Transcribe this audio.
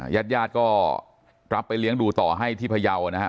ญาติญาติก็รับไปเลี้ยงดูต่อให้ที่พยาวนะฮะ